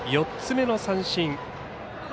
４つ目の三振。